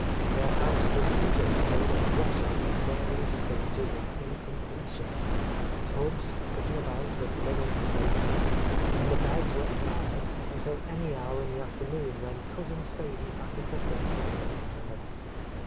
Their house was usually full of washing in various stages of incomple tion, — tubs sitting about with linen soaking, — and the beds were "aired" until any hour in the afternoon when Cousin Sadie happened to think of making them up.